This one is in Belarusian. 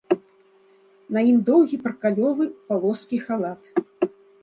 На ім доўгі паркалёвы ў палоскі халат.